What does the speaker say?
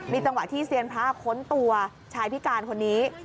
จังหวะที่เซียนพระค้นตัวชายพิการคนนี้